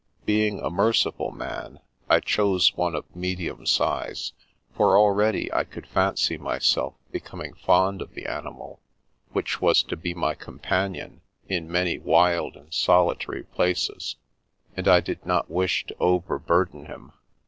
Being a merciful man, I chose one of medium size, for already I could fancy myself becoming fond of the animal which was to be my companion in many wild and solitary places, and I did not wish to overburden him.